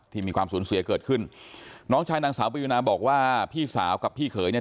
ที่มีความสูญเสียเกิดขึ้นนางสาวปุวินาบอกว่าพี่สาวกับพี่เขยเนี่ย